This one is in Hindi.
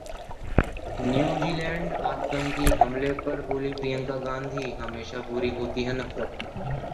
न्यूजीलैंड आतंकी हमले पर बोलीं प्रियंका गांधी- हमेशा बुरी होती है नफरत